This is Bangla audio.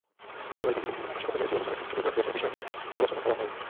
সভায় বিজিবির বিভিন্ন নাশকতাবিরোধী অভিযানের তথ্যবিভ্রাট রোধের বিষয় নিয়ে আলোচনা করা হয়।